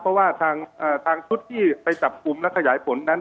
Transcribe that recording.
เพราะว่าทางชุดที่ไปจับกลุ่มและขยายผลนั้น